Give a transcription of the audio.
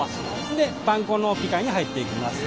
でパン粉の機械に入っていきます。